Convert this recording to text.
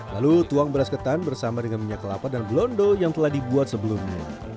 lalu tuang beras ketan bersama dengan minyak kelapa dan blondo yang telah dibuat sebelumnya